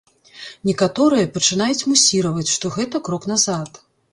Некаторыя пачынаюць мусіраваць, што гэта крок назад.